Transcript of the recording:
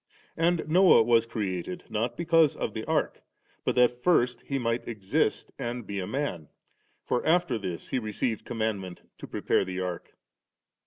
And Noah was created, not because of the ark, but that first he might exist and be a man; for after this he received commandment to prepare the ark.